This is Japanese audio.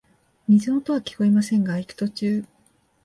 水の音はきこえませんが、行く途中、